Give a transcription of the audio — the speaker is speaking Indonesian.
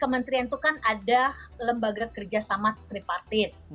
kementerian itu kan ada lembaga kerja sama tripartit